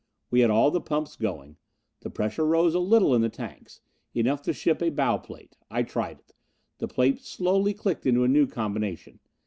We had all the pumps going. The pressure rose a little in the tanks. Enough to shift a bow plate. I tried it. The plate slowly clicked into a new combination.